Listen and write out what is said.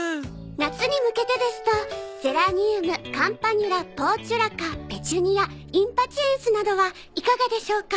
夏に向けてですとゼラニウムカンパニュラポーチュラカペチュニアインパチエンスなどはいかがでしょうか？